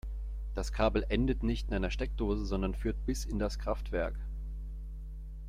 Das Kabel endet nicht in einer Steckdose, sondern führt bis in das Kraftwerk.